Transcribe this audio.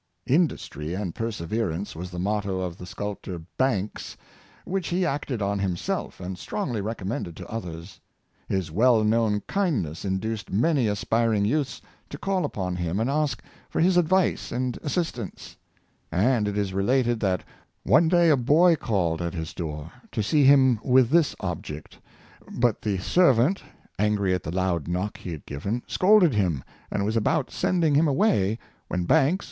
" Industry and perseverance " was the motto of the sculptor Banks, which he acted on himself, and strongly recommended to others. His well known kindness in duced many aspiring youths to call upon him and ask Mulready — Turner. 337 for his advice and assistance; and it is related that one day a boy called at his door to see him with this object, but the servant, angry at the loud knock he had given, scolded him, and w^as about sending him away, when Banks, o.